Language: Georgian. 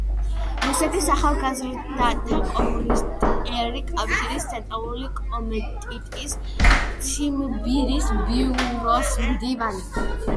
რუსეთის ახალგაზრდათა კომუნისტური კავშირის ცენტრალური კომიტეტის ციმბირის ბიუროს მდივანი.